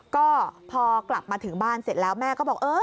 ก็พอกลับมาถึงบ้านเสร็จแล้วแม่ก็บอกเออ